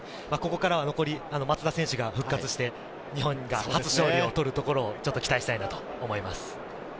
あとは松田選手が復活して、日本が初勝利を取るところを期待したいと思います。